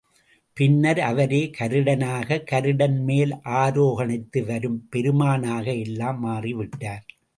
பின்னர் அவரே கருடனாக, கருடன் மேல் ஆரோ கணித்து வரும் பெருமானாக எல்லாம் மாறி விட்டார்.